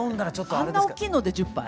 あんな大きいので１０杯？